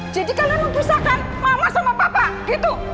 jadi kalian mempusahkan mama sama papa gitu